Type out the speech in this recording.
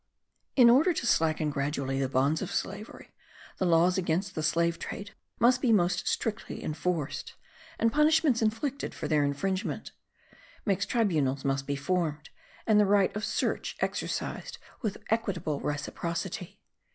In order to slacken gradually the bonds of slavery the laws against the slave trade must be most strictly enforced, and punishments inflicted for their infringement; mixed tribunals must be formed, and the right of search exercised with equitable reciprocity.